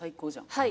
はい。